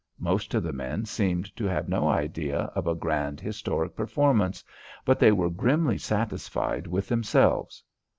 Most of the men seemed to have no idea of a grand historic performance, but they were grimly satisfied with themselves.